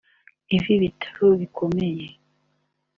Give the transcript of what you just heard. Ibi bitero bikomeye